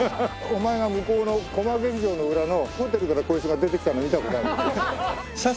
お前が向こうのコマ劇場の裏のホテルからこいつが出てきたの見た事あるよ。